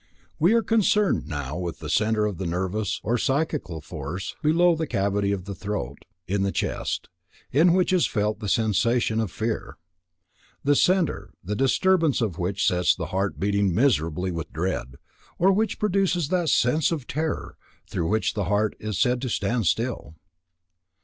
We are concerned now with the centre of nervous or psychical force below the cavity of the throat, in the chest, in which is felt the sensation of fear; the centre, the disturbance of which sets the heart beating miserably with dread, or which produces that sense of terror through which the heart is said to stand still.